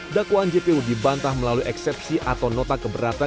dakwaan jpu dibantah melalui eksepsi atau nota keberatan